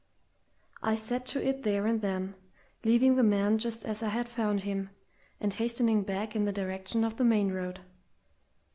I set to it there and then, leaving the man just as I had found him, and hastening back in the direction of the main road.